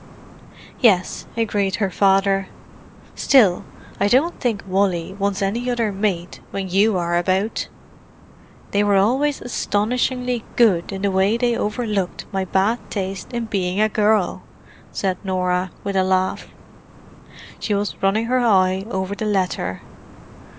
"Yes," agreed her father. "Still, I don't think Wally wants any other mate when you are about." "They were always astonishingly good in the way they overlooked my bad taste in being a girl!" said Norah, with a laugh. She was running her eye over the letter.